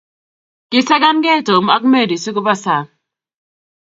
Kisakan gei Tom ak Mary sikuba sang'